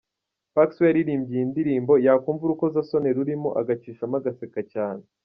Pax we yaririmbye iyi ndirimbo yakumva urukozasoni rurimo agacishamo agaseka cyane.